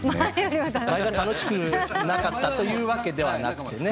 前が楽しくなかったというわけではなくてね。